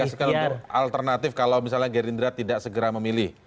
komunikasikan untuk alternatif kalau misalnya gerindra tidak segera memilih